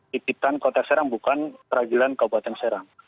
pipitan kota serang bukan peradilan kabupaten serang